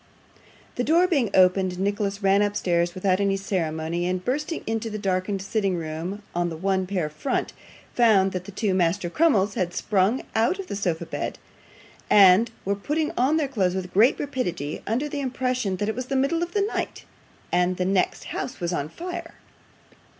The door being opened, Nicholas ran upstairs without any ceremony, and bursting into the darkened sitting room on the one pair front, found that the two Master Crummleses had sprung out of the sofa bedstead and were putting on their clothes with great rapidity, under the impression that it was the middle of the night, and the next house was on fire.